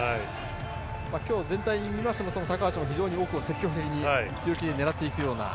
今日、全体を見ましても高橋は奥を積極的に強気に狙っていくような。